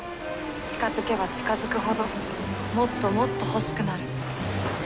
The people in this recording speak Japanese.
近づけば近づくほどもっともっと欲しくなる。